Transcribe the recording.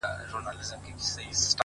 ته دومره ښه يې له انسانه ـ نه سېوا ملگرې;